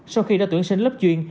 sau khi đã tuyển sinh lớp chuyên